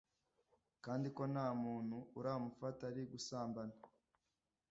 kandi ko nta muntu uramufata ari gusambana